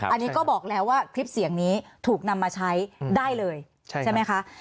อันนี้ก็บอกแล้วว่าคลิปเสียงนี้ถูกนำมาใช้ได้เลยใช่ไหมคะ